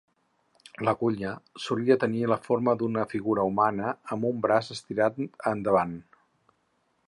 L'agulla solia tenir la forma d'una figura humana amb un braç estirat endavant.